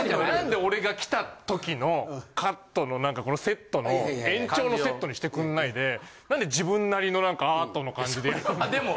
何で俺が来た時のカットのなんかセットの延長のセットにしてくんないで何で自分なりのなんかアートの感じで。